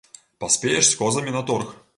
Паспееш з козамі на торг.